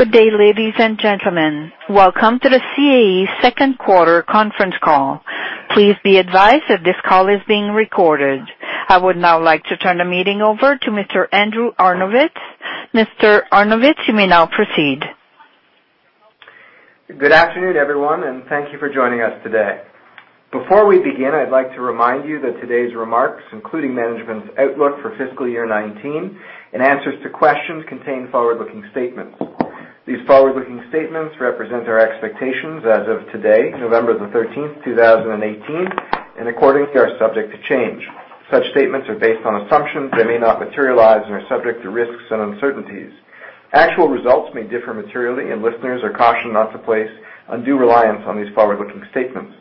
Good day, ladies and gentlemen. Welcome to the CAE second quarter conference call. Please be advised that this call is being recorded. I would now like to turn the meeting over to Mr. Andrew Arnovitz. Mr. Arnovitz, you may now proceed. Good afternoon, everyone. Thank you for joining us today. Before we begin, I'd like to remind you that today's remarks, including management's outlook for FY 2019 and answers to questions, contain forward-looking statements. These forward-looking statements represent our expectations as of today, November the 13th, 2018, and accordingly, are subject to change. Such statements are based on assumptions that may not materialize and are subject to risks and uncertainties. Actual results may differ materially. Listeners are cautioned not to place undue reliance on these forward-looking statements.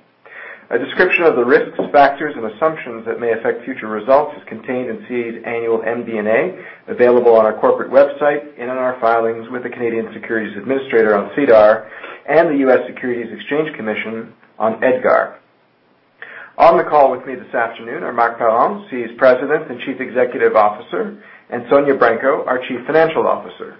A description of the risks, factors, and assumptions that may affect future results is contained in CAE's annual MD&A, available on our corporate website and in our filings with the Canadian Securities Administrators on SEDAR and the U.S. Securities and Exchange Commission on EDGAR. On the call with me this afternoon are Marc Parent, CAE's President and Chief Executive Officer, and Sonya Branco, our Chief Financial Officer.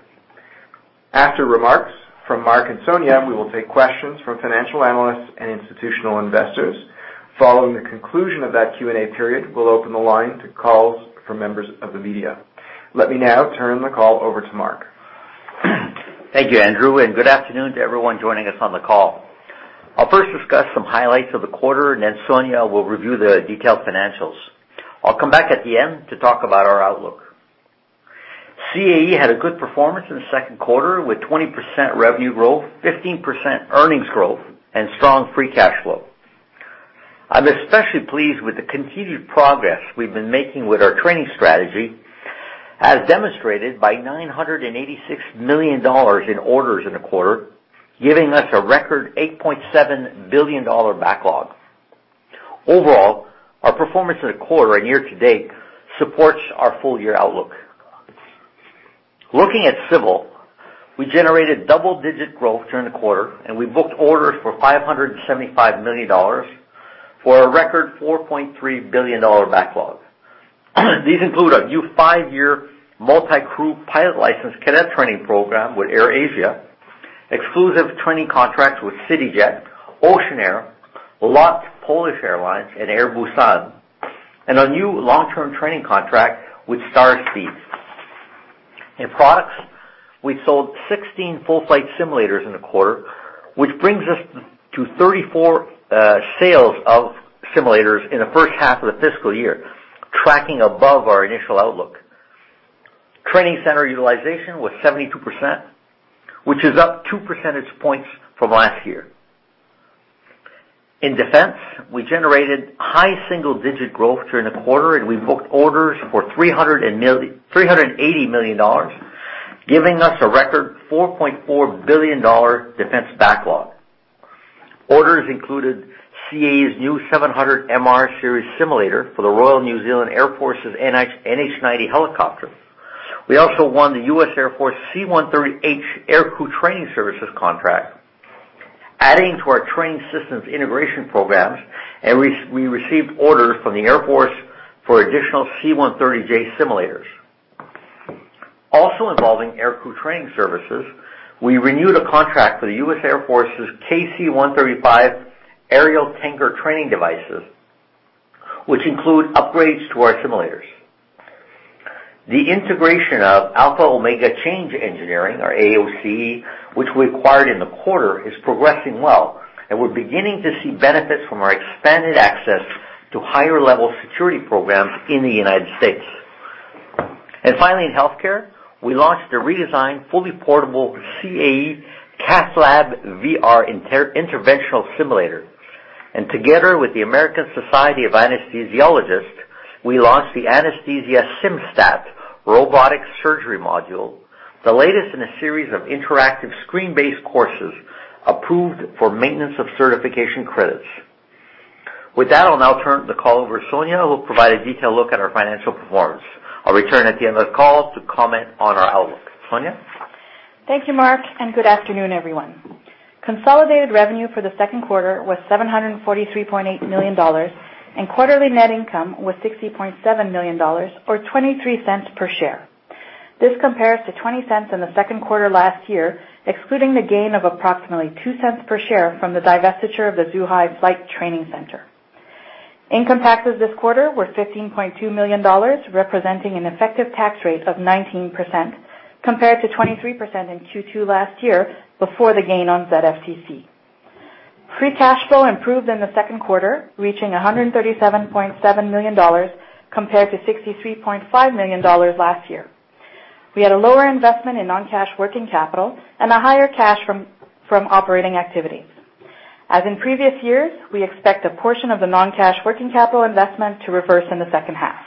After remarks from Marc and Sonya, we will take questions from financial analysts and institutional investors. Following the conclusion of that Q&A period, we'll open the line to calls from members of the media. Let me now turn the call over to Marc. Thank you, Andrew. Good afternoon to everyone joining us on the call. I'll first discuss some highlights of the quarter. Sonya will review the detailed financials. I'll come back at the end to talk about our outlook. CAE had a good performance in the second quarter, with 20% revenue growth, 15% earnings growth, and strong free cash flow. I'm especially pleased with the continued progress we've been making with our training strategy, as demonstrated by 986 million dollars in orders in the quarter, giving us a record 8.7 billion dollar backlog. Our performance in the quarter and year to date supports our full-year outlook. Looking at civil, we generated double-digit growth during the quarter. We booked orders for 575 million dollars for a record 4.3 billion dollar backlog. These include a new five-year Multi-Crew Pilot License cadet training program with AirAsia, exclusive training contracts with CityJet, OceanAir, LOT Polish Airlines, and Air Busan, and a new long-term training contract with Starspeed. In products, we sold 16 full flight simulators in the quarter, which brings us to 34 sales of simulators in the first half of the fiscal year, tracking above our initial outlook. Training center utilization was 72%, which is up two percentage points from last year. In defense, we generated high single-digit growth during the quarter, and we booked orders for 380 million dollars, giving us a record 4.4 billion dollar defense backlog. Orders included CAE's new 700MR Series simulator for the Royal New Zealand Air Force's NH90 helicopter. We also won the U.S. Air Force C-130H air crew training services contract, adding to our trained systems integration programs, and we received orders from the Air Force for additional C-130J simulators. Also involving air crew training services, we renewed a contract for the U.S. Air Force's KC-135 aerial tanker training devices, which include upgrades to our simulators. The integration of Alpha-Omega Change Engineering, or AOCE, which we acquired in the quarter, is progressing well, and we're beginning to see benefits from our expanded access to higher-level security programs in the U.S. Finally, in healthcare, we launched a redesigned, fully portable CAE CathLabVR interventional simulator. Together with the American Society of Anesthesiologists, we launched the Anesthesia SimSTAT robotic surgery module, the latest in a series of interactive screen-based courses approved for maintenance of certification credits. With that, I'll now turn the call over Sonya, who will provide a detailed look at our financial performance. I'll return at the end of the call to comment on our outlook. Sonya? Thank you, Marc, and good afternoon, everyone. Consolidated revenue for the second quarter was 743.8 million dollars, and quarterly net income was 60.7 million dollars or 0.23 per share. This compares to 0.20 in the second quarter last year, excluding the gain of approximately 0.02 per share from the divestiture of the Zhuhai Flight Training Centre. Income taxes this quarter were 15.2 million dollars, representing an effective tax rate of 19%, compared to 23% in Q2 last year before the gain on ZFTC. Free cash flow improved in the second quarter, reaching 137.7 million dollars, compared to 63.5 million dollars last year. We had a lower investment in non-cash working capital and a higher cash from operating activities. As in previous years, we expect a portion of the non-cash working capital investment to reverse in the second half.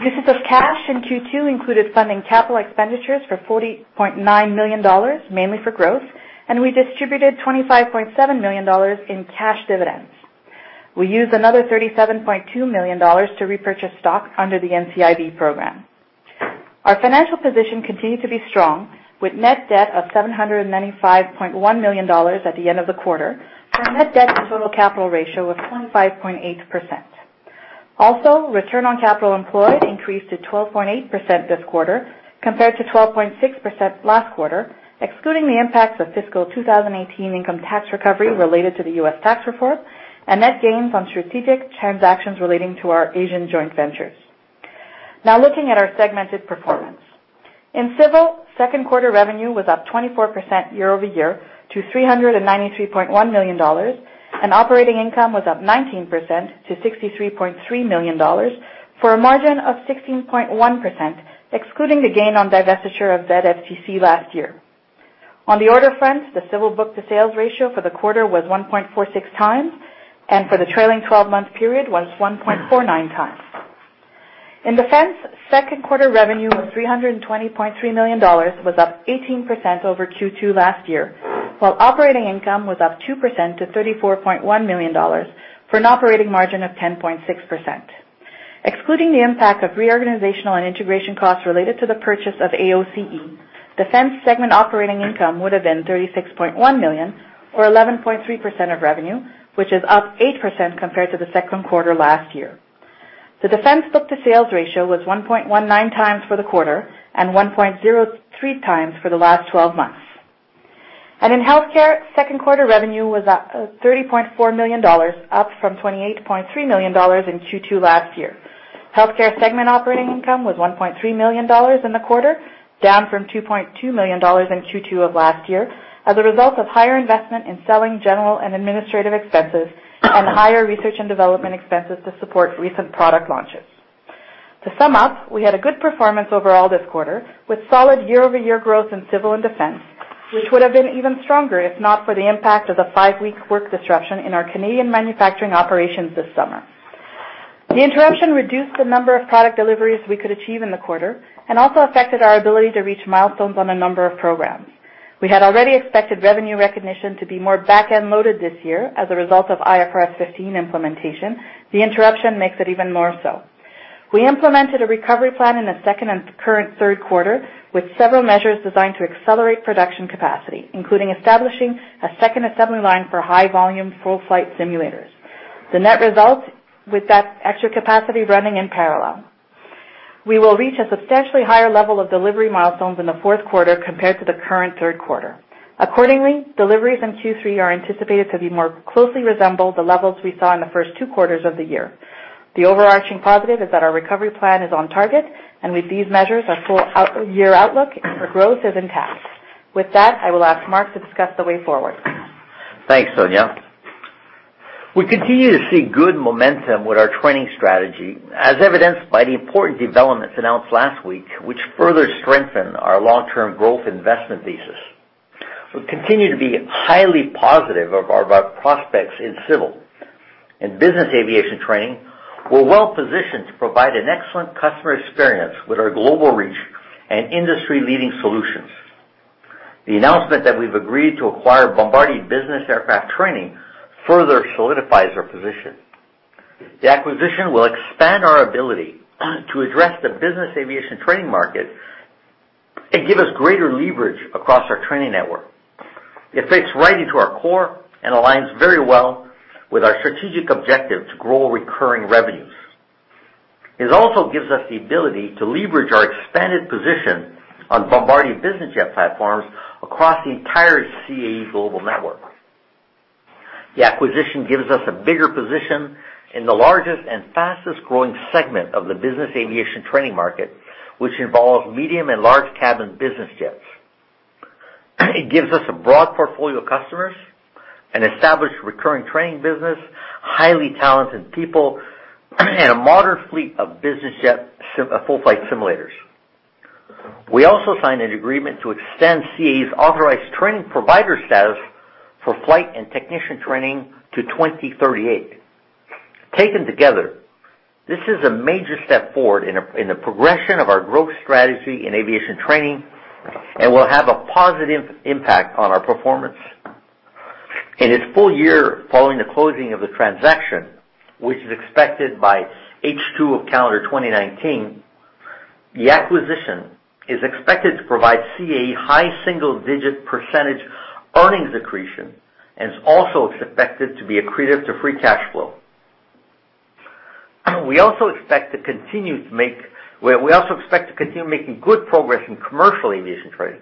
Uses of cash in Q2 included funding capital expenditures for 40.9 million dollars, mainly for growth, and we distributed 25.7 million dollars in cash dividends. We used another 37.2 million dollars to repurchase stock under the NCIB program. Our financial position continued to be strong, with net debt of 795.1 million dollars at the end of the quarter, our net debt to total capital ratio of 25.8%. Also, return on capital employed increased to 12.8% this quarter compared to 12.6% last quarter, excluding the impacts of fiscal 2018 income tax recovery related to the U.S. tax reform and net gains on strategic transactions relating to our Asian joint ventures. Now, looking at our segmented performance. In Civil, second quarter revenue was up 24% year-over-year to 393.1 million dollars, and operating income was up 19% to 63.3 million dollars for a margin of 16.1%, excluding the gain on divestiture of ZFTC last year. On the order front, the Civil book-to-sales ratio for the quarter was 1.46 times, and for the trailing 12-month period was 1.49 times. In Defense, second quarter revenue of 320.3 million dollars was up 18% over Q2 last year, while operating income was up 2% to 34.1 million dollars for an operating margin of 10.6%. Excluding the impact of reorganizational and integration costs related to the purchase of AOCE, Defense segment operating income would've been 36.1 million or 11.3% of revenue, which is up 8% compared to the second quarter last year. The Defense book-to-sales ratio was 1.19 times for the quarter and 1.03 times for the last 12 months. In Healthcare, second-quarter revenue was up 30.4 million dollars, up from 28.3 million dollars in Q2 last year. Healthcare segment operating income was 1.3 million dollars in the quarter, down from 2.2 million dollars in Q2 of last year, as a result of higher investment in selling general and administrative expenses and higher research and development expenses to support recent product launches. To sum up, we had a good performance overall this quarter, with solid year-over-year growth in Civil and Defense, which would have been even stronger if not for the impact of the five-week work disruption in our Canadian manufacturing operations this summer. The interruption reduced the number of product deliveries we could achieve in the quarter and also affected our ability to reach milestones on a number of programs. We had already expected revenue recognition to be more back-end loaded this year as a result of IFRS 15 implementation. The interruption makes it even more so. We implemented a recovery plan in the second and current third quarter with several measures designed to accelerate production capacity, including establishing a second assembly line for high-volume full flight simulators. The net result is that with that extra capacity running in parallel, we will reach a substantially higher level of delivery milestones in the fourth quarter compared to the current third quarter. Accordingly, deliveries in Q3 are anticipated to more closely resemble the levels we saw in the first two quarters of the year. The overarching positive is that our recovery plan is on target, and with these measures, our full year outlook for growth is intact. With that, I will ask Marc to discuss the way forward. Thanks, Sonya. We continue to see good momentum with our training strategy, as evidenced by the important developments announced last week, which further strengthen our long-term growth investment thesis. We continue to be highly positive about prospects in civil and business aviation training. We are well-positioned to provide an excellent customer experience with our global reach and industry-leading solutions. The announcement that we have agreed to acquire Bombardier Business Aircraft Training further solidifies our position. The acquisition will expand our ability to address the business aviation training market and give us greater leverage across our training network. It fits right into our core and aligns very well with our strategic objective to grow recurring revenues. It also gives us the ability to leverage our expanded position on Bombardier business jet platforms across the entire CAE global network. The acquisition gives us a bigger position in the largest and fastest-growing segment of the business aviation training market, which involves medium and large-cabin business jets. It gives us a broad portfolio of customers, an established recurring training business, highly talented people, and a modern fleet of business jet full flight simulators. We also signed an agreement to extend CAE's authorized training provider status for flight and technician training to 2038. Taken together, this is a major step forward in the progression of our growth strategy in aviation training and will have a positive impact on our performance. In its full year following the closing of the transaction, which is expected by H2 of calendar 2019, the acquisition is expected to provide CAE high single-digit percentage earnings accretion and is also expected to be accretive to free cash flow. We also expect to continue making good progress in commercial aviation training.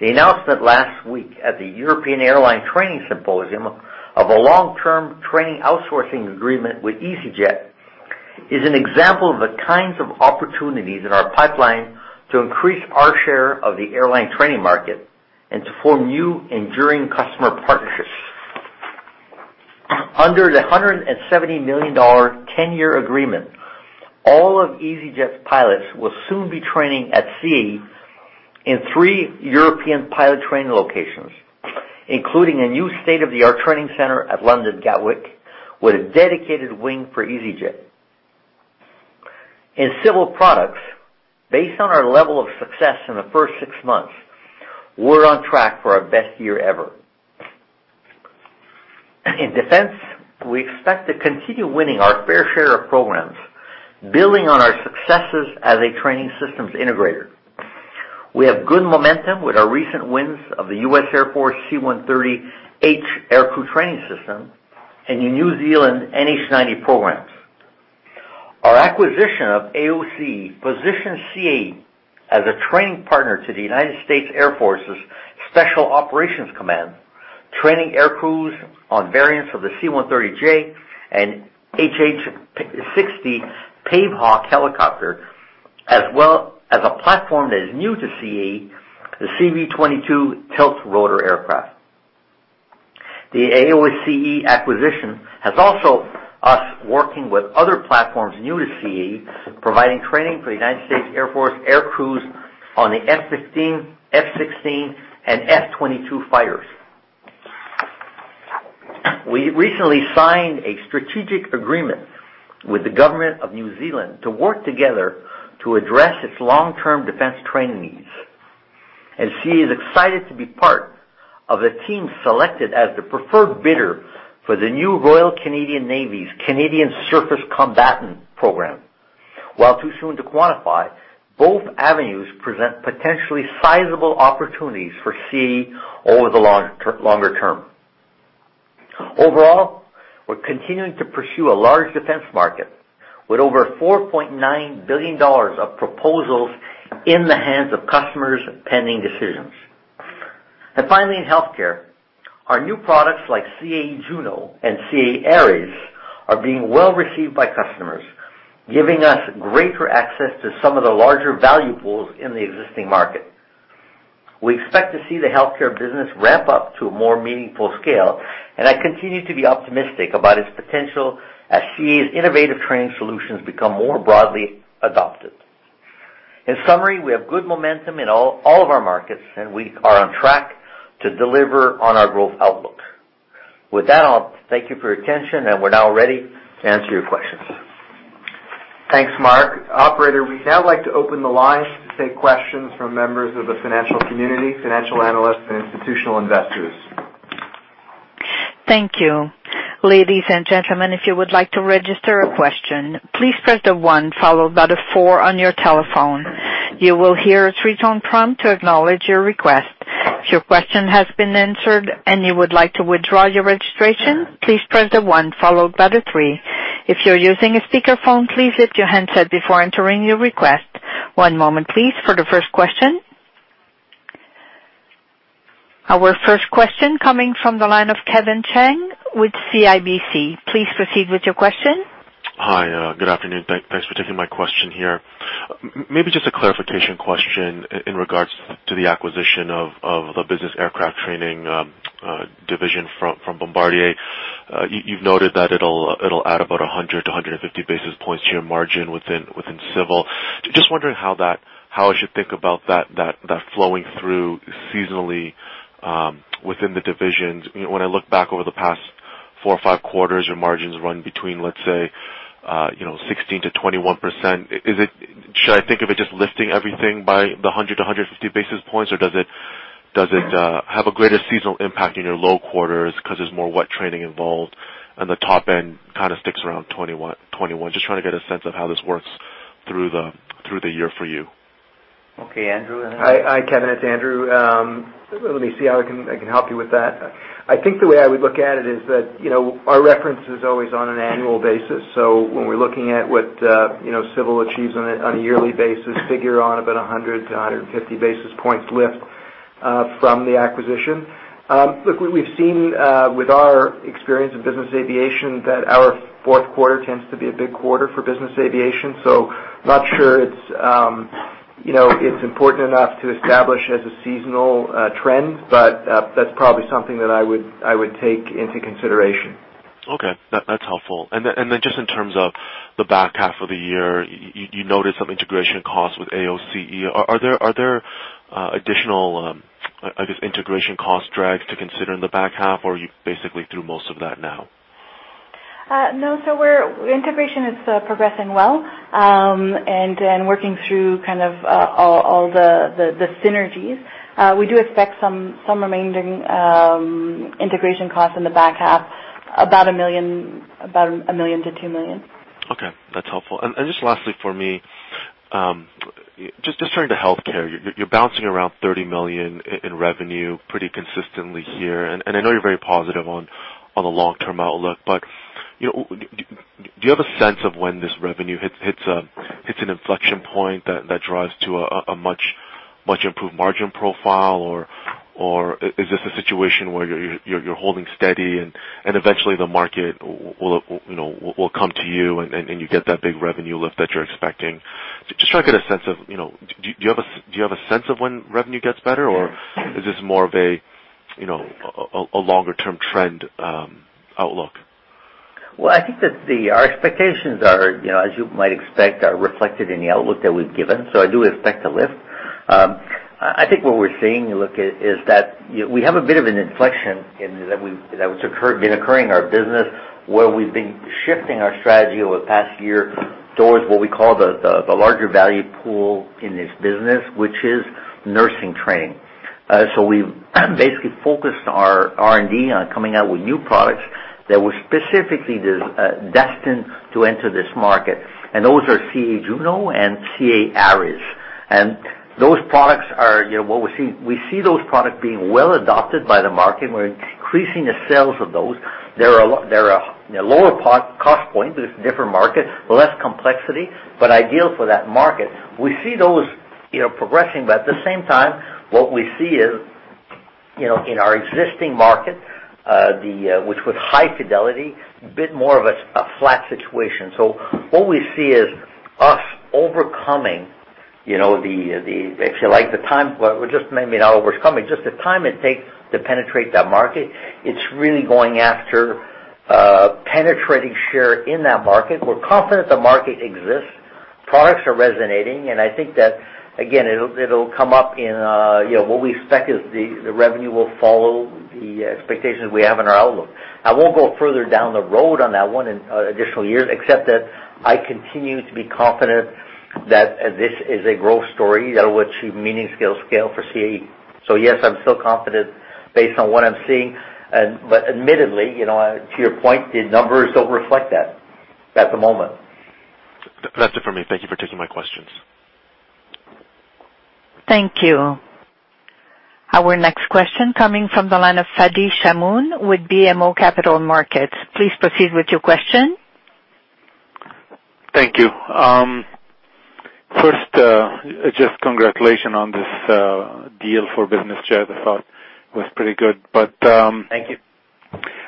The announcement last week at the European Airline Training Symposium of a long-term training outsourcing agreement with easyJet is an example of the kinds of opportunities in our pipeline to increase our share of the airline training market and to form new enduring customer partnerships. Under the 170 million dollar 10-year agreement, all of easyJet's pilots will soon be training at CAE in three European pilot training locations, including a new state-of-the-art training center at London Gatwick with a dedicated wing for easyJet. In civil products, based on our level of success in the first six months, we are on track for our best year ever. In defense, we expect to continue winning our fair share of programs, building on our successes as a training systems integrator. We have good momentum with our recent wins of the U.S. Air Force C-130H aircrew training system and the New Zealand NH90 programs. Our acquisition of AOCE positions CAE as a training partner to the United States Air Force's Special Operations Command, training aircrews on variants of the C-130J and HH-60 Pave Hawk helicopter, as well as a platform that is new to CAE, the CV-22 tilt rotor aircraft. The AOCE acquisition has also us working with other platforms new to CAE, providing training for the United States Air Force aircrews on the F-15, F-16, and F-22 fighters. We recently signed a strategic agreement with the government of New Zealand to work together to address its long-term defense training needs. CAE is excited to be part of the team selected as the preferred bidder for the new Royal Canadian Navy's Canadian Surface Combatant program. While too soon to quantify, both avenues present potentially sizable opportunities for CAE over the longer term. Overall, we're continuing to pursue a large defense market with over 4.9 billion dollars of proposals in the hands of customers pending decisions. Finally, in healthcare, our new products like CAE Juno and CAE Ares are being well-received by customers, giving us greater access to some of the larger value pools in the existing market. We expect to see the healthcare business ramp up to a more meaningful scale, and I continue to be optimistic about its potential as CAE's innovative training solutions become more broadly adopted. In summary, we have good momentum in all of our markets, and we are on track to deliver on our growth outlook. With that, I'll thank you for your attention, and we're now ready to answer your questions. Thanks, Marc. Operator, we'd now like to open the lines to take questions from members of the financial community, financial analysts, and institutional investors. Thank you. Ladies and gentlemen, if you would like to register a question, please press the one followed by the four on your telephone. You will hear a three-tone prompt to acknowledge your request. If your question has been answered and you would like to withdraw your registration, please press the one followed by the three. If you're using a speakerphone, please lift your handset before entering your request. One moment please for the first question. Our first question coming from the line of Kevin Chiang with CIBC. Please proceed with your question. Hi, good afternoon. Thanks for taking my question here. Maybe just a clarification question in regards to the acquisition of the Business Aircraft Training division from Bombardier. You've noted that it'll add about 100 to 150 basis points to your margin within Civil. Just wondering how I should think about that flowing through seasonally within the divisions. When I look back over the past four or five quarters, your margins run between, let's say 16%-21%. Should I think of it just lifting everything by the 100 to 150 basis points, or does it have a greater seasonal impact in your low quarters because there's more wet training involved, and the top end sticks around 21%? Just trying to get a sense of how this works through the year for you. Okay, Andrew. Hi, Kevin. It's Andrew. Let me see how I can help you with that. I think the way I would look at it is that our reference is always on an annual basis. When we're looking at what Civil achieves on a yearly basis, figure on about 100 to 150 basis points lift from the acquisition. Look, we've seen with our experience in business aviation that our fourth quarter tends to be a big quarter for business aviation. I'm not sure it's important enough to establish as a seasonal trend, but that's probably something that I would take into consideration. Okay. That's helpful. Just in terms of the back half of the year, you noted some integration costs with AOCE. Are there additional, I guess, integration cost drags to consider in the back half, or are you basically through most of that now? No, integration is progressing well, and working through all the synergies. We do expect some remaining integration costs in the back half, about 1 million-2 million. Okay, that's helpful. Just lastly for me, just turning to healthcare, you're bouncing around 30 million in revenue pretty consistently here. I know you're very positive on the long-term outlook, do you have a sense of when this revenue hits an inflection point that drives to a much-improved margin profile? Is this a situation where you're holding steady and eventually the market will come to you get that big revenue lift that you're expecting? Just trying to get a sense of, do you have a sense of when revenue gets better, or is this more of a longer-term trend outlook? I think that our expectations are, as you might expect, are reflected in the outlook that we've given. I do expect a lift. I think what we're seeing, look, is that we have a bit of an inflection that's been occurring in our business where we've been shifting our strategy over the past year towards what we call the larger value pool in this business, which is nursing training. We've basically focused our R&D on coming out with new products that were specifically destined to enter this market, and those are CAE Juno and CAE Ares. We see those products being well adopted by the market. We're increasing the sales of those. They're a lower cost point, but it's different market, less complexity, but ideal for that market. We see those progressing, but at the same time, what we see is, in our existing market which was high fidelity, a bit more of a flat situation. What we see is us overcoming, if you like, maybe not overcoming, just the time it takes to penetrate that market. It's really going after penetrating share in that market. We're confident the market exists. Products are resonating. I think that, again, it'll come up in what we expect is the revenue will follow the expectations we have in our outlook. I won't go further down the road on that one in additional years, except that I continue to be confident that this is a growth story that will achieve meaningful scale for CAE. Yes, I'm still confident based on what I'm seeing, but admittedly, to your point, the numbers don't reflect that at the moment. That's it for me. Thank you for taking my questions. Thank you. Our next question coming from the line of Fadi Chamoun with BMO Capital Markets. Please proceed with your question. Thank you. First, just congratulations on this deal for Business Jet. I thought it was pretty good. Thank you.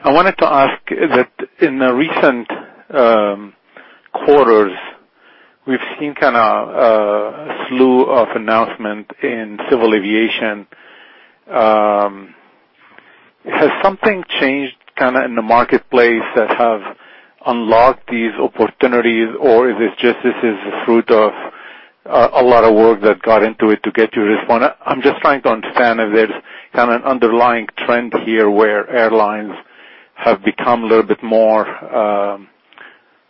I wanted to ask that in the recent quarters, we've seen a slew of announcements in civil aviation. Has something changed in the marketplace that have unlocked these opportunities, or is it just this is the fruit of a lot of work that got into it to get to this point? I'm just trying to understand if there's an underlying trend here where airlines have become a little bit more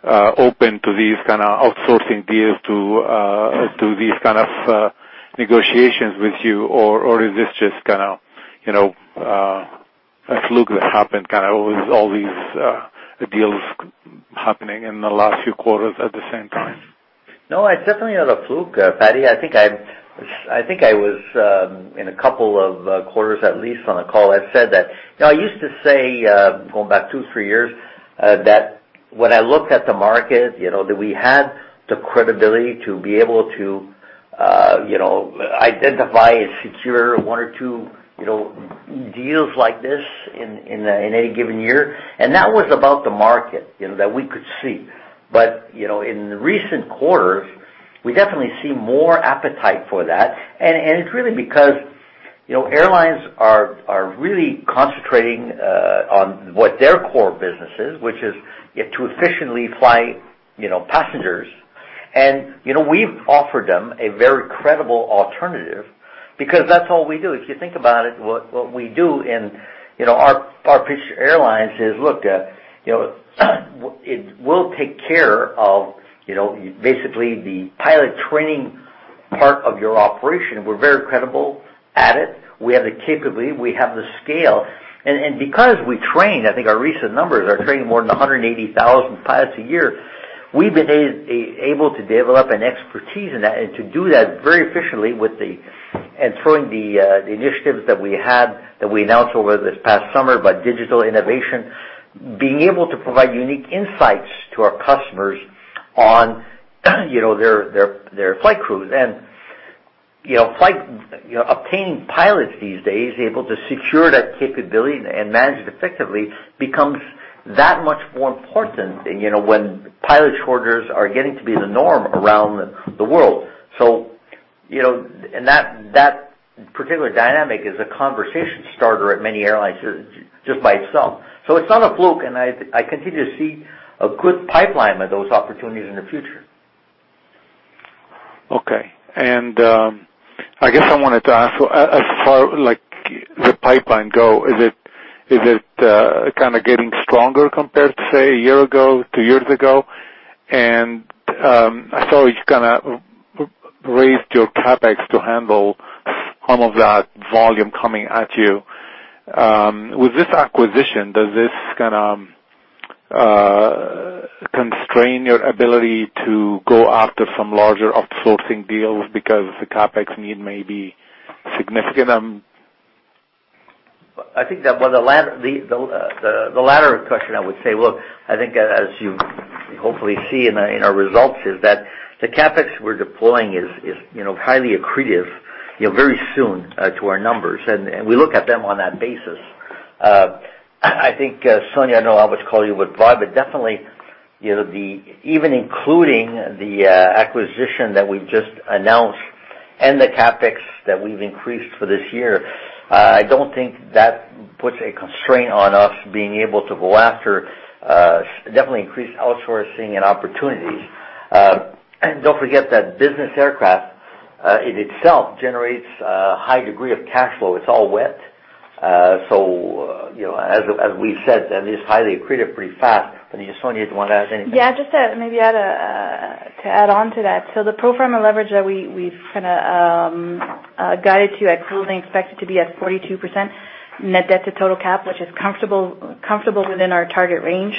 open to these kind of outsourcing deals to these kind of negotiations with you, or is this just a fluke that happened, all these deals happening in the last few quarters at the same time? It's definitely not a fluke, Fadi. I think I was, in a couple of quarters at least on a call, I said that I used to say, going back two, three years, that when I looked at the market, that we had the credibility to be able to identify and secure one or two deals like this in any given year. That was about the market, that we could see. In the recent quarters, we definitely see more appetite for that, it's really because airlines are really concentrating on what their core business is, which is to efficiently fly passengers. We've offered them a very credible alternative because that's all we do. If you think about it, what we do in our pitch to airlines is, look, we'll take care of basically the pilot training part of your operation. We're very credible at it. We have the capability. We have the scale. Because we train, I think our recent numbers are training more than 180,000 pilots a year. We've been able to develop an expertise in that and to do that very efficiently with the initiatives that we had, that we announced over this past summer about digital innovation, being able to provide unique insights to our customers on their flight crews. Obtaining pilots these days, able to secure that capability and manage it effectively becomes that much more important when pilot shortages are getting to be the norm around the world. That particular dynamic is a conversation starter at many airlines just by itself. It's not a fluke, I continue to see a good pipeline of those opportunities in the future. Okay. I guess I wanted to ask, as far, like, the pipeline go, is it getting stronger compared to, say, a year ago, two years ago? I saw you raised your CapEx to handle some of that volume coming at you. With this acquisition, does this constrain your ability to go after some larger outsourcing deals because the CapEx need may be significant? I think that the latter question, I would say, look, I think as you hopefully see in our results is that the CapEx we're deploying is highly accretive very soon to our numbers. We look at them on that basis. I think, Sonya, I know I always call you with Bob, but definitely, even including the acquisition that we've just announced and the CapEx that we've increased for this year, I don't think that puts a constraint on us being able to go after, definitely increase outsourcing and opportunities. Don't forget that Business Aircraft in itself generates a high degree of cash flow. It's all wet. As we've said, and it's highly accretive pretty fast. Sonya, do you want to add anything? Yeah, just to maybe to add on to that. The pro forma leverage that we've guided to at closing expected to be at 42% net debt to total cap, which is comfortable within our target range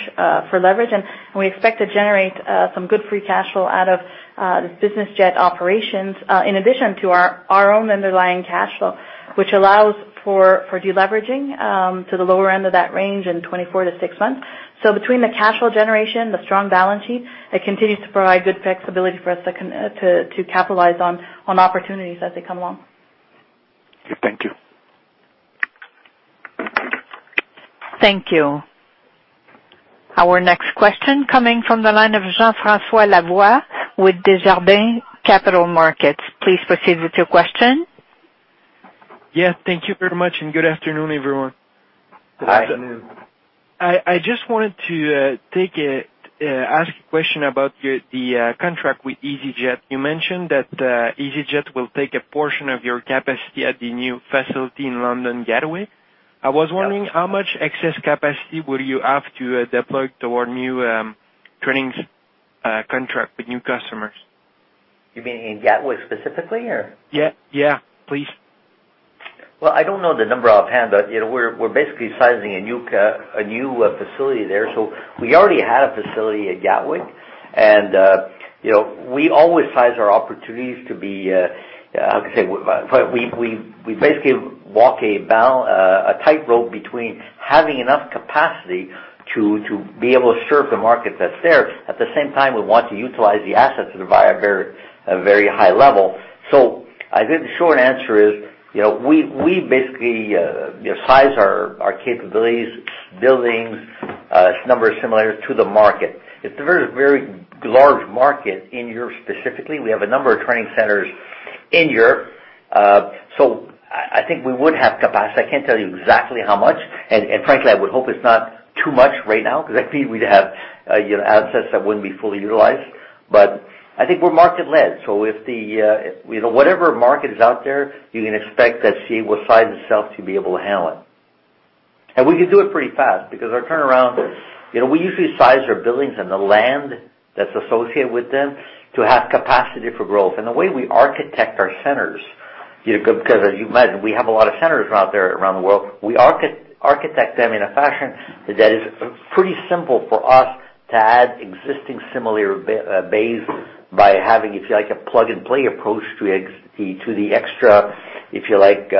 for leverage. We expect to generate some good free cash flow out of the business jet operations, in addition to our own underlying cash flow, which allows for de-leveraging to the lower end of that range in 24-6 months. Between the cash flow generation, the strong balance sheet, it continues to provide good flexibility for us to capitalize on opportunities as they come along. Okay. Thank you. Thank you. Our next question coming from the line of Jean-Francois Lavoie with Desjardins Capital Markets. Please proceed with your question. Yes. Thank you very much, and good afternoon, everyone. Good afternoon. I just wanted to ask a question about the contract with easyJet. You mentioned that easyJet will take a portion of your capacity at the new facility in London Gatwick. I was wondering how much excess capacity will you have to deploy toward new trainings contract with new customers? You mean in Gatwick specifically or? Yeah. Please. I don't know the number offhand, but we're basically sizing a new facility there. We already had a facility at Gatwick and we always size our opportunities to be How can I say? We basically walk a tightrope between having enough capacity to be able to serve the market that's there. At the same time, we want to utilize the assets at a very high level. I think the short answer is, we basically size our capabilities, buildings, numbers similar to the market. It's a very large market in Europe, specifically. We have a number of training centers in Europe. I think we would have capacity. I can't tell you exactly how much, and frankly, I would hope it's not too much right now because that means we'd have assets that wouldn't be fully utilized. I think we're market-led. Whatever market is out there, you can expect that CAE will size itself to be able to handle it. We can do it pretty fast because our turnaround, we usually size our buildings and the land that's associated with them to have capacity for growth. The way we architect our centers, because as you imagine, we have a lot of centers out there around the world. We architect them in a fashion that is pretty simple for us to add existing similar bays by having, if you like, a plug-and-play approach to the extra, if you like,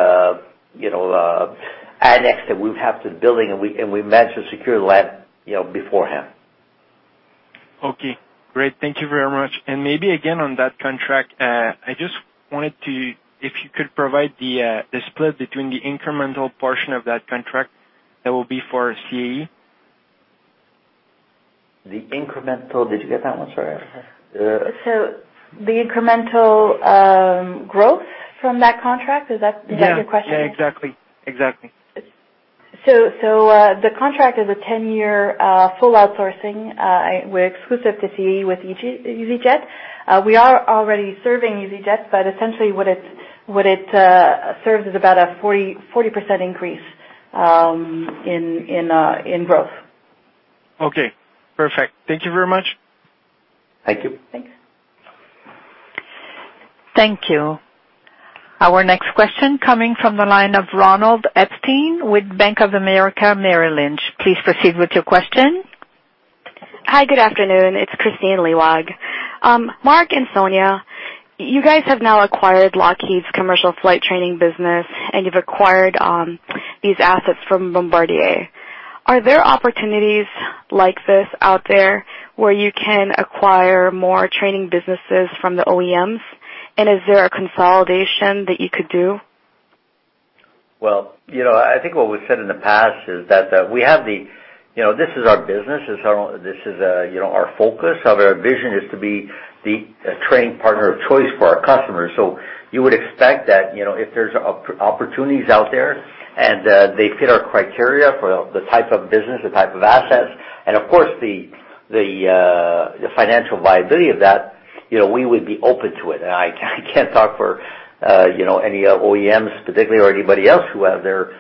annex that we have to the building, and we manage to secure the land beforehand. Okay, great. Thank you very much. Maybe again on that contract, I just wanted to, if you could provide the split between the incremental portion of that contract that will be for CAE. Did you get that one, sorry? The incremental growth from that contract, is that your question? Yeah, exactly. The contract is a 10-year full outsourcing. We're exclusive to CAE with easyJet. We are already serving easyJet, but essentially what it serves is about a 40% increase in growth. Okay, perfect. Thank you very much. Thank you. Thanks. Thank you. Our next question coming from the line of Ronald Epstein with Bank of America Merrill Lynch. Please proceed with your question. Hi, good afternoon. It's Kristine Liwag. Marc and Sonya, you guys have now acquired Lockheed's commercial flight training business, and you've acquired these assets from Bombardier. Are there opportunities like this out there where you can acquire more training businesses from the OEMs? Is there a consolidation that you could do? I think what we've said in the past is that this is our business. This is our focus. Our vision is to be the training partner of choice for our customers. You would expect that if there's opportunities out there and they fit our criteria for the type of business, the type of assets, and of course, the financial viability of that, we would be open to it. I can't talk for any OEMs particularly or anybody else who have their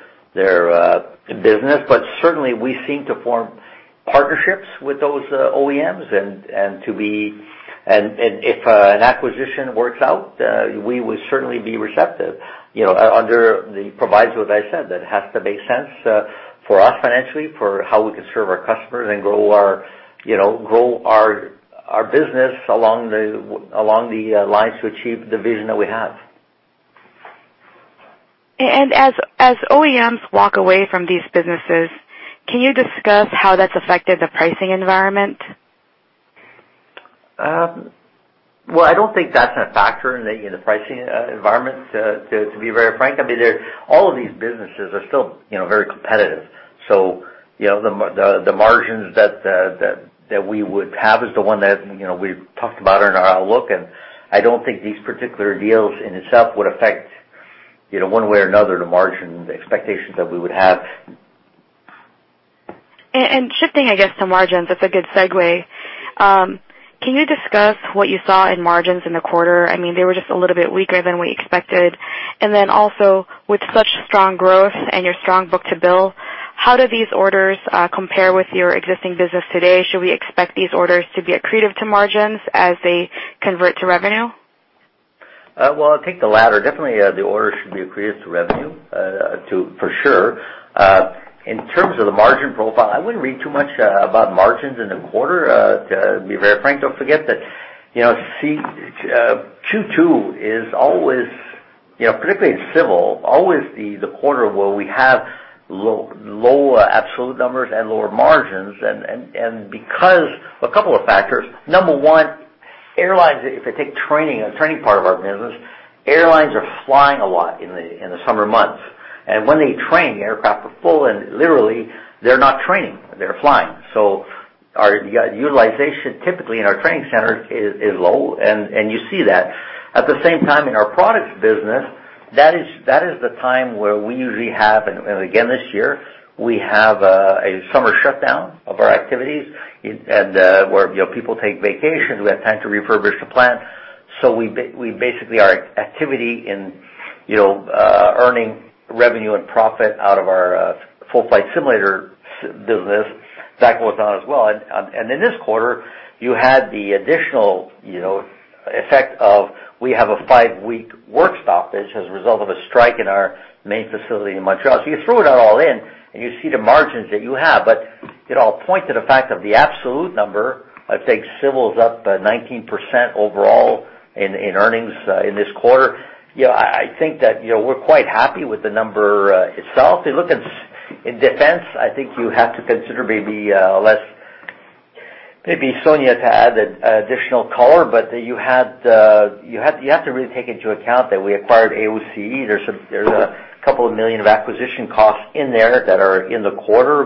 business, but certainly we seek to form partnerships with those OEMs and if an acquisition works out, we would certainly be receptive under the proviso that I said, that it has to make sense for us financially, for how we can serve our customers and grow our business along the lines to achieve the vision that we have. As OEMs walk away from these businesses, can you discuss how that's affected the pricing environment? Well, I don't think that's a factor in the pricing environment, to be very frank. I mean, all of these businesses are still very competitive. The margins that we would have is the one that we've talked about in our outlook, I don't think these particular deals in itself would affect, one way or another, the margin expectations that we would have Shifting, I guess, to margins, that's a good segue. Can you discuss what you saw in margins in the quarter? They were just a little bit weaker than we expected. Then also, with such strong growth and your strong book-to-bill, how do these orders compare with your existing business today? Should we expect these orders to be accretive to margins as they convert to revenue? Well, I'll take the latter. Definitely, the orders should be accretive to revenue, for sure. In terms of the margin profile, I wouldn't read too much about margins in the quarter, to be very frank. Don't forget that Q2 is always, particularly in Civil, always the quarter where we have low absolute numbers and lower margins. Because of a couple of factors. Number one, airlines, if they take training, the training part of our business, airlines are flying a lot in the summer months. When they train, the aircraft are full and literally they're not training, they're flying. Our utilization, typically in our training center, is low, and you see that. At the same time, in our products business, that is the time where we usually have, and again this year, we have a summer shutdown of our activities, where people take vacations, we have time to refurbish the plant. Basically, our activity in earning revenue and profit out of our full flight simulator business, that goes down as well. In this quarter, you had the additional effect of we have a five-week work stoppage as a result of a strike in our main facility in Montreal. You threw it all in, and you see the margins that you have. I'll point to the fact of the absolute number. I think Civil's up 19% overall in earnings in this quarter. I think that we're quite happy with the number itself. In Defense, I think you have to consider maybe less. Maybe Sonya to add additional color, you have to really take into account that we acquired AOCE. There's a couple of million of acquisition costs in there that are in the quarter.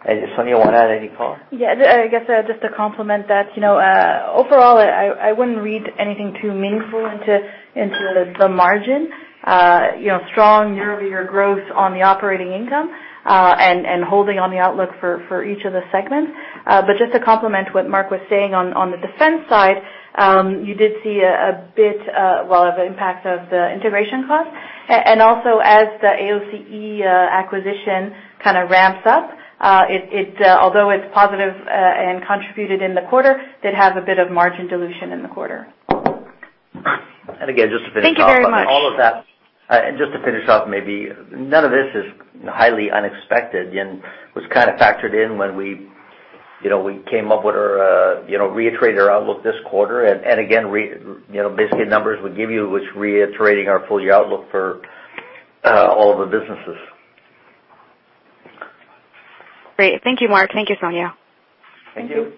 Sonya, you want to add any color? Yeah, I guess just to complement that, overall, I wouldn't read anything too meaningful into the margin. Strong year-over-year growth on the operating income, holding on the outlook for each of the segments. Just to complement what Marc was saying on the Defense side, you did see a bit, well, of impact of the integration cost. Also, as the AOCE acquisition ramps up, although it's positive and contributed in the quarter, did have a bit of margin dilution in the quarter. Again, just to finish off. Thank you very much. All of that. Just to finish off, maybe none of this is highly unexpected and was kind of factored in when we reiterated our outlook this quarter. Again, basically, the numbers we give you was reiterating our full-year outlook for all the businesses. Great. Thank you, Marc. Thank you, Sonya. Thank you.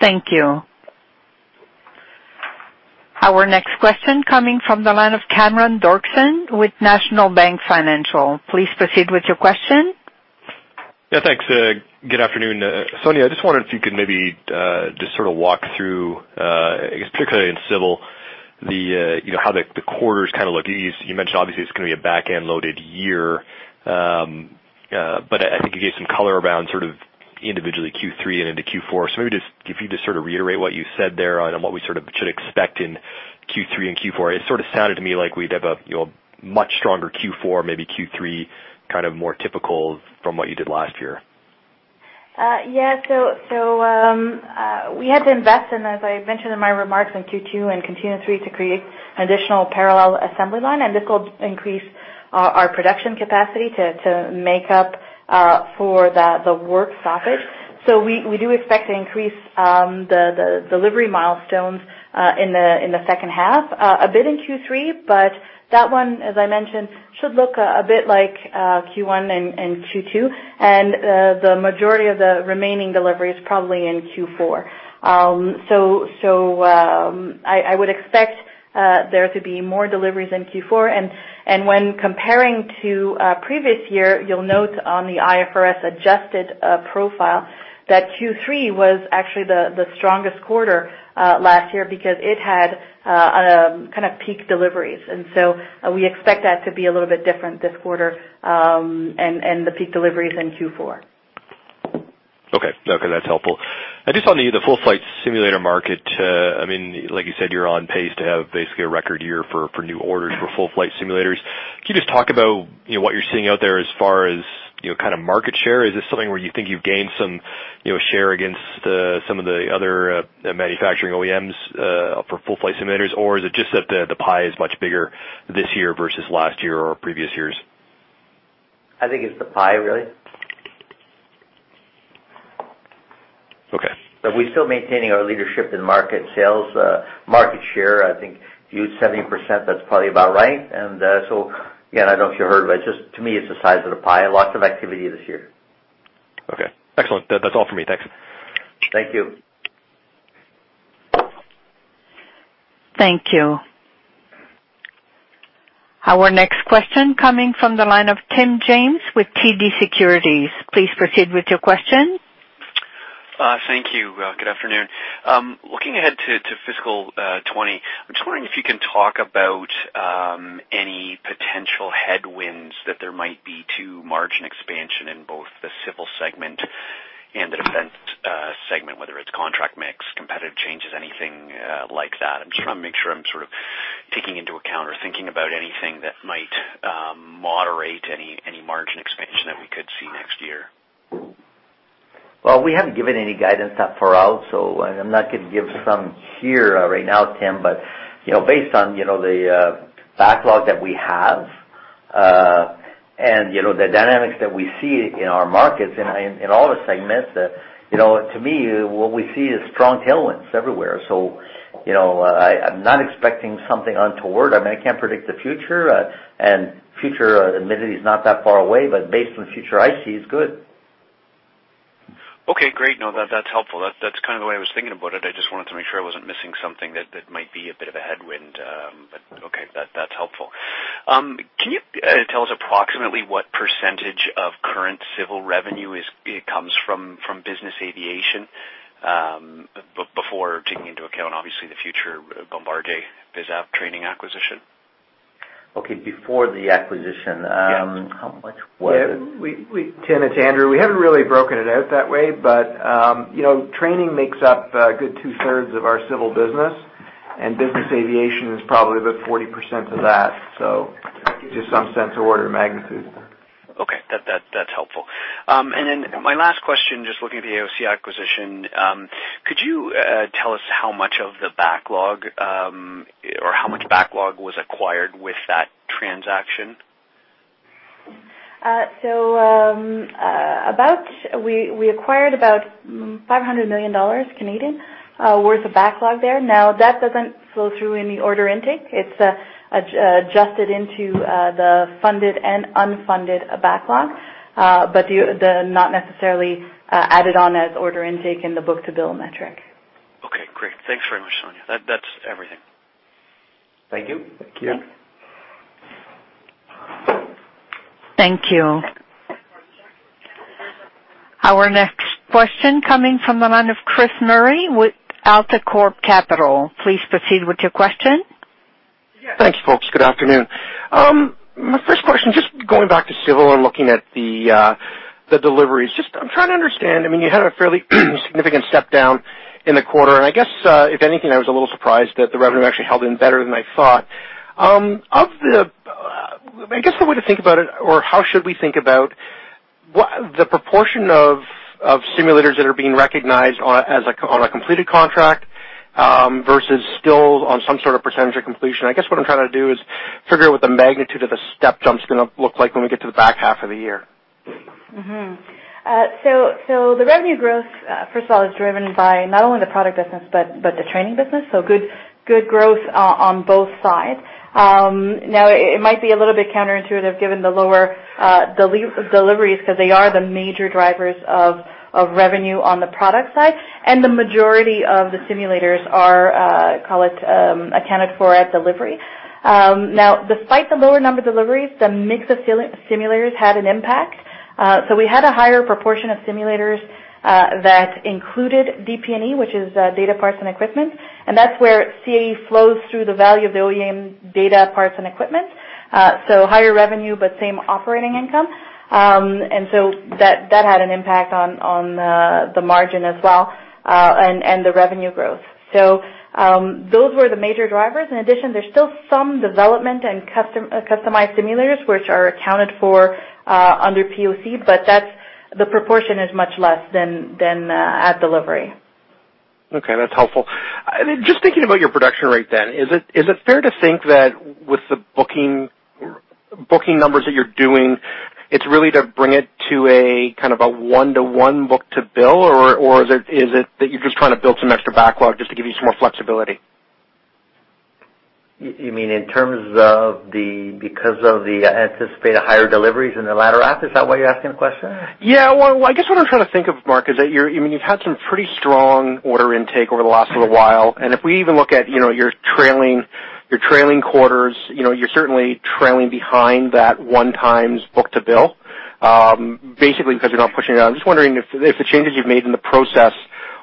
Thank you. Our next question coming from the line of Cameron Doerksen with National Bank Financial. Please proceed with your question. Yeah, thanks. Good afternoon. Sonya, I just wondered if you could maybe just sort of walk through, I guess particularly in civil, how the quarters kind of look. You mentioned obviously it's going to be a back-end loaded year. I think you gave some color around sort of individually Q3 and into Q4. Maybe if you could just sort of reiterate what you said there on what we should expect in Q3 and Q4. It sort of sounded to me like we'd have a much stronger Q4, maybe Q3, kind of more typical from what you did last year. Yeah. We had to invest in, as I mentioned in my remarks, in Q2 and continue in Q3 to create an additional parallel assembly line, and this will increase our production capacity to make up for the work stoppage. We do expect to increase the delivery milestones in the second half a bit in Q3, but that one, as I mentioned, should look a bit like Q1 and Q2, and the majority of the remaining deliveries probably in Q4. I would expect there to be more deliveries in Q4. When comparing to previous year, you'll note on the IFRS-adjusted profile that Q3 was actually the strongest quarter last year because it had peak deliveries. We expect that to be a little bit different this quarter, and the peak delivery is in Q4. Okay. That's helpful. Just on the full flight simulator market, like you said, you're on pace to have basically a record year for new orders for full flight simulators. Can you just talk about what you're seeing out there as far as market share? Is this something where you think you've gained some share against some of the other manufacturing OEMs for full flight simulators, or is it just that the pie is much bigger this year versus last year or previous years? I think it's the pie, really. Okay. We're still maintaining our leadership in market sales. Market share, I think huge, 70%, that's probably about right. Again, I don't know if you heard, but to me, it's the size of the pie. Lots of activity this year. Okay. Excellent. That's all for me. Thanks. Thank you. Thank you. Our next question coming from the line of Tim James with TD Securities. Please proceed with your question. Thank you. Good afternoon. Looking ahead to fiscal 2020, I'm just wondering if you can talk about any potential headwinds that there might be to margin expansion in both the civil segment and the defense segment, whether it's contract mix, competitive changes, anything like that. I'm just trying to make sure I'm sort of taking into account or thinking about anything that might moderate any margin expansion that we could see next year. We haven't given any guidance that far out, I'm not going to give some here right now, Tim. Based on the backlog that we have, and the dynamics that we see in our markets, in all the segments, to me, what we see is strong tailwinds everywhere. I'm not expecting something untoward. I can't predict the future. Future, admittedly, is not that far away, but based on the future I see, it's good. Okay, great. No, that's helpful. That's kind of the way I was thinking about it. I just wanted to make sure I wasn't missing something that might be a bit of a headwind. Okay, that's helpful. Can you tell us approximately what percentage of current civil revenue comes from business aviation, before taking into account, obviously, the future Bombardier BizAv Training acquisition? Okay. Before the acquisition. Yes. How much was it? Tim, it's Andrew. We haven't really broken it out that way, but training makes up a good two-thirds of our civil business, and business aviation is probably about 40% of that. That gives you some sense of order of magnitude. Okay. That's helpful. My last question, just looking at the AOCE acquisition, could you tell us how much of the backlog, or how much backlog was acquired with that transaction? We acquired about 500 million dollars worth of backlog there. That doesn't flow through any order intake. It's adjusted into the funded and unfunded backlog. Not necessarily added on as order intake in the book-to-bill metric. Okay, great. Thanks very much, Sonya. That's everything. Thank you. Thank you. Thanks. Thank you. Our next question coming from the line of Chris Murray with AltaCorp Capital. Please proceed with your question. Thanks, folks. Good afternoon. My first question, just going back to civil and looking at the deliveries. I'm trying to understand. You had a fairly significant step down in the quarter, and I guess, if anything, I was a little surprised that the revenue actually held in better than I thought. I guess the way to think about it, or how should we think about the proportion of simulators that are being recognized on a completed contract versus still on some sort of percentage of completion? I guess what I'm trying to do is figure what the magnitude of the step jump's going to look like when we get to the back half of the year. The revenue growth, first of all, is driven by not only the product business, but the training business. Good growth on both sides. Now, it might be a little bit counterintuitive given the lower deliveries, because they are the major drivers of revenue on the product side, and the majority of the simulators are, call it, accounted for at delivery. Now, despite the lower number of deliveries, the mix of simulators had an impact. We had a higher proportion of simulators that included DP&E, which is data, parts, and equipment. That's where CAE flows through the value of the OEM data, parts, and equipment. Higher revenue, but same operating income. That had an impact on the margin as well, and the revenue growth. Those were the major drivers. In addition, there's still some development and customized simulators, which are accounted for under POC, but the proportion is much less than at delivery. Okay, that's helpful. Just thinking about your production rate then, is it fair to think that with the booking numbers that you're doing, it's really to bring it to a one-to-one book-to-bill, or is it that you're just trying to build some extra backlog just to give you some more flexibility? You mean in terms of because of the anticipated higher deliveries in the latter half? Is that why you're asking the question? Yeah. Well, I guess what I'm trying to think of, Marc, is that you've had some pretty strong order intake over the last little while, and if we even look at your trailing quarters, you're certainly trailing behind that one times book-to-bill. Because you're not pushing it out. I'm just wondering if the changes you've made in the process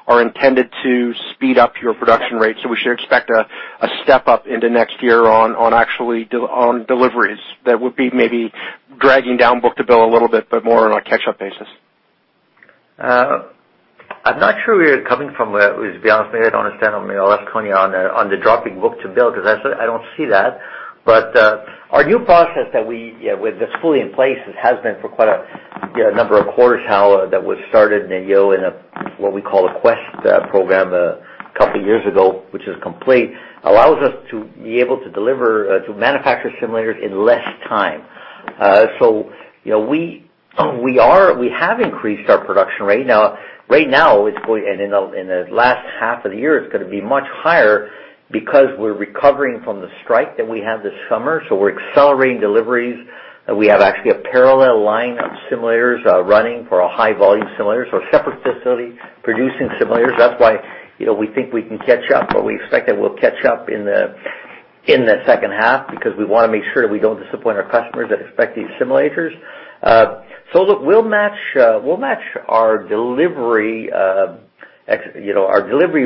are intended to speed up your production rate, we should expect a step up into next year on deliveries that would be maybe dragging down book-to-bill a little bit, but more on a catch-up basis. I'm not sure where you're coming from, to be honest. I don't understand. I'll ask Tony on the dropping book-to-bill, I don't see that. Our new process that's fully in place, it has been for quite a number of quarters now, that was started in what we call a Quest program a couple of years ago, which is complete, allows us to be able to manufacture simulators in less time. We have increased our production rate. Right now, and in the last half of the year, it's going to be much higher because we're recovering from the strike that we had this summer. We're accelerating deliveries. We have actually a parallel line of simulators running for our high volume simulators. A separate facility producing simulators. That's why we think we can catch up, or we expect that we'll catch up in the second half, we want to make sure that we don't disappoint our customers that expect these simulators. Look, we'll match our delivery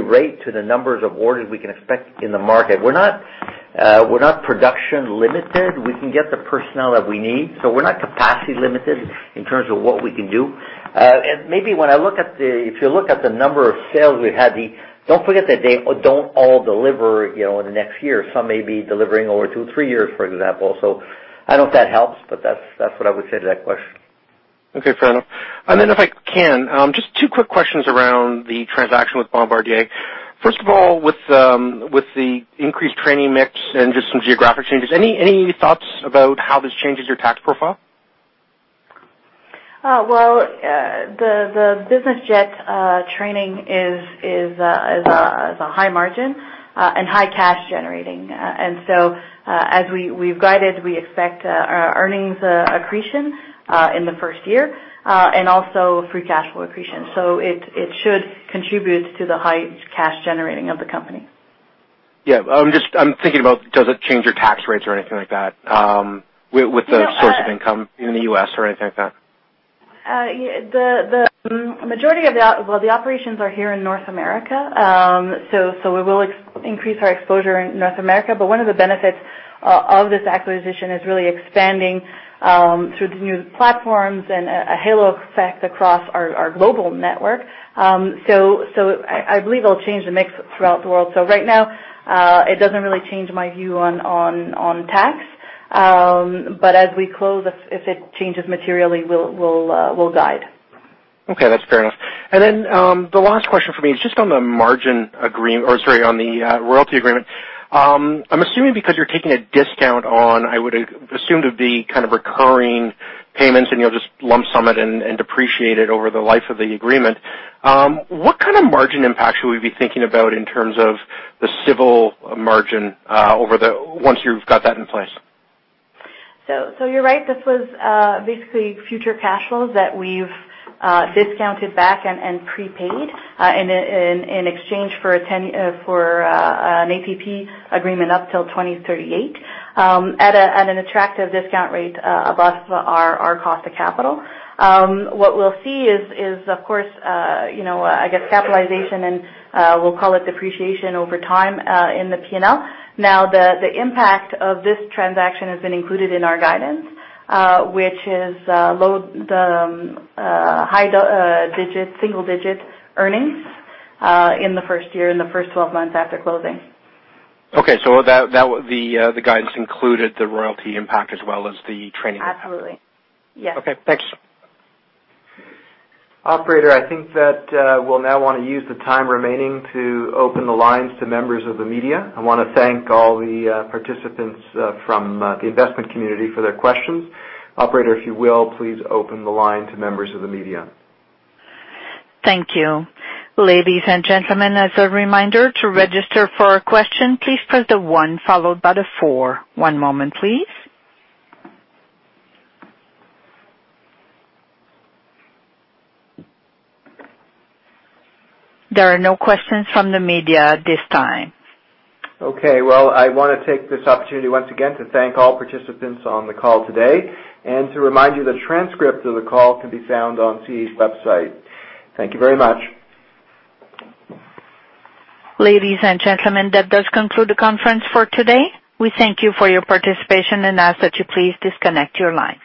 rate to the numbers of orders we can expect in the market. We're not production limited. We can get the personnel that we need, we're not capacity limited in terms of what we can do. Maybe if you look at the number of sales we've had, don't forget that they don't all deliver in the next year. Some may be delivering over two or three years, for example. I don't know if that helps, that's what I would say to that question. Okay, fair enough. If I can, just two quick questions around the transaction with Bombardier. First of all, with the increased training mix and just some geographic changes, any thoughts about how this changes your tax profile? Well, the business jet training is a high margin and high cash generating. As we've guided, we expect our earnings accretion in the first year and also free cash flow accretion. It should contribute to the high cash generating of the company. Yeah. I'm thinking about, does it change your tax rates or anything like that with the source of income in the U.S. or anything like that? The majority of the operations are here in North America. We will increase our exposure in North America. One of the benefits of this acquisition is really expanding through the new platforms and a halo effect across our global network. I believe it'll change the mix throughout the world. Right now, it doesn't really change my view on tax. As we close, if it changes materially, we'll guide. That's fair enough. The last question for me is just on the margin agreement, or sorry, on the royalty agreement. I'm assuming because you're taking a discount on, I would assume to be kind of recurring payments, and you'll just lump sum it and depreciate it over the life of the agreement. What kind of margin impact should we be thinking about in terms of the civil margin once you've got that in place? You're right. This was basically future cash flows that we've discounted back and prepaid in exchange for an ATP agreement up till 2038 at an attractive discount rate above our cost of capital. We'll see is, of course, I guess, capitalization and we'll call it depreciation over time in the P&L. The impact of this transaction has been included in our guidance, which is high single-digit earnings in the first year, in the first 12 months after closing. The guidance included the royalty impact as well as the training impact. Absolutely. Yes. Okay, thanks. Operator, I think that we'll now want to use the time remaining to open the lines to members of the media. I want to thank all the participants from the investment community for their questions. Operator, if you will, please open the line to members of the media. Thank you. Ladies and gentlemen, as a reminder, to register for a question, please press the one followed by the four. One moment, please. There are no questions from the media at this time. Okay. Well, I want to take this opportunity once again to thank all participants on the call today and to remind you the transcript of the call can be found on CAE's website. Thank you very much. Ladies and gentlemen, that does conclude the conference for today. We thank you for your participation and ask that you please disconnect your line.